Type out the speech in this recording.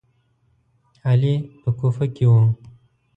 علي په کوفه کې و.